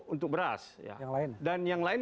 untuk beras yang lain dan yang lain